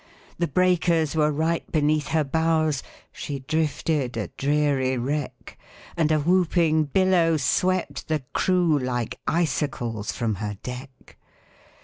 The breakers were right beneath her bows, She drifted a dreary wreck, And a whooping billow swept the crew Like icicles from her deck.